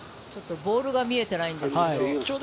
ボールが見えてないんですけど。